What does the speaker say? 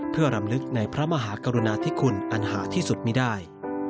เพื่อรำลึกในพระมหากรุณาธิคุณอันหาที่สุดมีได้